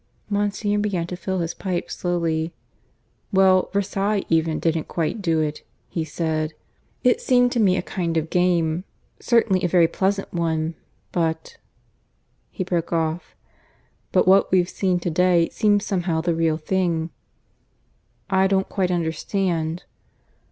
Monsignor began to fill his pipe slowly. "Well, Versailles, even, didn't quite do it," he said. "It seemed to me a kind of game certainly a very pleasant one; but " (He broke off.) "But what we've seen to day seems somehow the real thing." "I don't quite understand."